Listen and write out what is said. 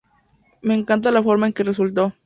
Me encanta la forma en que resultó.